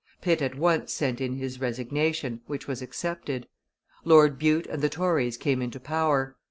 Pitt at once sent in his resignation, which was accepted. Lord Bute and the Tories came into power.